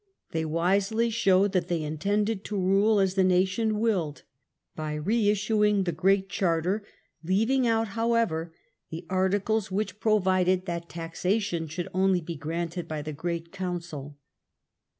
They wisely showed ^^ Henry in. that they intended to rule as the nation willed, by re issuing the Great Charter, leaving out, however, the articles 6o LINCOLN FAIR. which provided that taxation should only be granted by the great council.